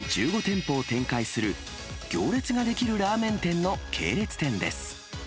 都内に１５店舗を展開する、行列が出来るラーメン店の系列店です。